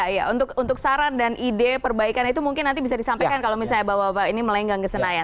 iya untuk saran dan ide perbaikan itu mungkin nanti bisa disampaikan kalau misalnya bapak bapak ini melenggang ke senayan